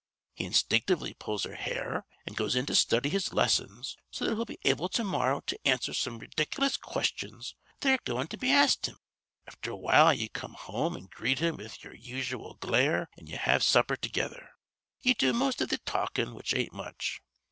He instinctively pulls her hair an' goes in to study his lessons so that he'll be able to morrow to answer some ridiklous questions that are goin' to be asked him. Afther a while ye come home an' greet him with ye'er usual glare an' ye have supper together. Ye do most iv th' talkin', which ain't much.